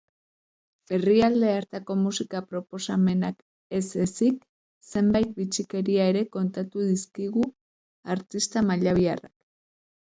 Herrialde hartako musika-proposamenak ez ezik, zenbait bitxikeria ere kontatu dizkigu artista mallabiarrak.